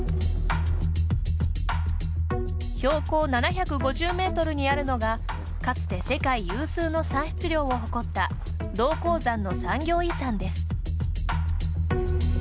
標高７５０ｍにあるのがかつて世界有数の産出量を誇った銅鉱山の産業遺産です。